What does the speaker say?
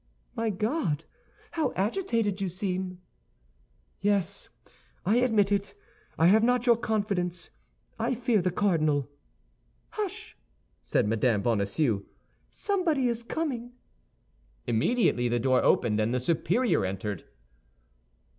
"My God, how agitated you seem!" "Yes, I admit it. I have not your confidence; I fear the cardinal." "Hush!" said Mme. Bonacieux; "somebody is coming." Immediately the door opened, and the superior entered.